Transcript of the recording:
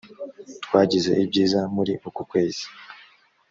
twagize ibyiza muri uku kwezi.